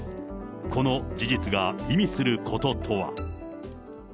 この事実が意味することとは。